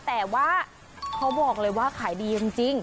แต่ว่าเขาบอกเลยว่าขายดีจริง